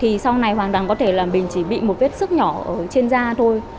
thì sau này hoàn toàn có thể là mình chỉ bị một vết sức nhỏ ở trên da thôi